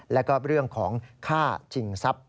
แล้วก็เรื่องของฆ่าชิงทรัพย์